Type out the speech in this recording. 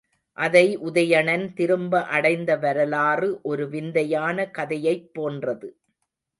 அதை உதயணன் திரும்ப அடைந்த வரலாறு ஒரு விந்தையான கதையைப் போன்றது.